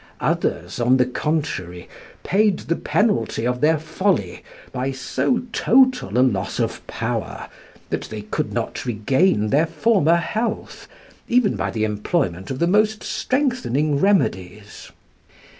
Others, on the contrary, paid the penalty of their folly by so total a loss of power, that they could not regain their former health, even by the employment of the most strengthening remedies.